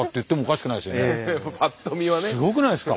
すごくないですか。